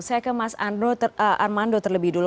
saya ke mas armando terlebih dulu